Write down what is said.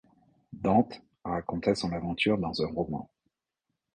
Dante raconta son aventure dans un roman.